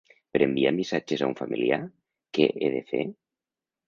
Per enviar missatges a un familiar, què he de fer?